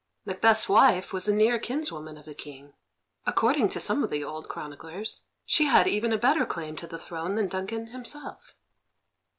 Macbeth's wife was a near kinswoman of the King according to some of the old chroniclers, she had even a better claim to the throne than Duncan himself.